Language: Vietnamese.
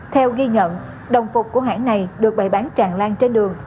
theo ghi nhận đồng phục của hãng này được bày bán tràn lan trên đường